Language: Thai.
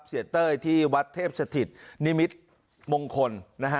เศรษฐ์เต้ยที่วัดเทพสถิตรนิมิตรมงคล